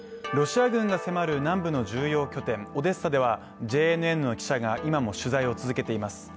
ロシア軍が迫る南部の重要拠点オデッサではＪＮＮの記者が今も取材を続けています。